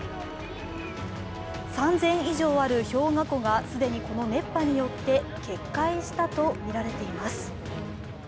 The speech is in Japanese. ３０００以上ある氷河湖が既にこの熱波によって決壊したとみられています。